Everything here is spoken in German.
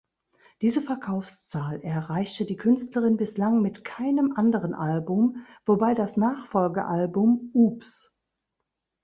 Diese Verkaufszahl erreichte die Künstlerin bislang mit keinem anderen Album, wobei das Nachfolgealbum "Oops!